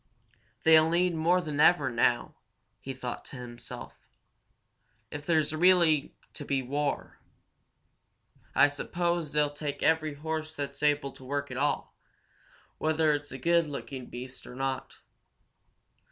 "They'll need more than ever now," he thought to himself. "If there's really to be war, I suppose they'll take every horse that's able to work at all, whether it's a good looking beast or not.